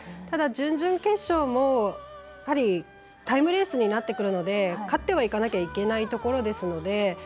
ただ、準々決勝もやはりタイムレースになってくるので勝ってはいかなきゃいけないところですので。